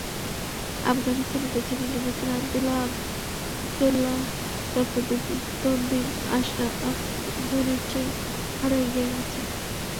আফগানিস্তানে প্রেসিডেন্ট নির্বাচনে আবদুল্লাহ আবদুল্লাহ তাঁর প্রতিদ্বন্দ্বী আশরাফ গনির চেয়ে আরও এগিয়ে গেছেন।